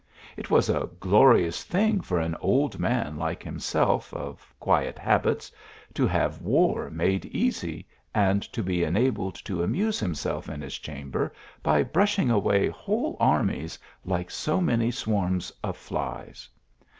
It was a glorious thing for an old man like himself, of quiet habits, to have war made easy, and to be enabled to amuse himself in his chamber by brushing away whole armies like so many swarms of flies.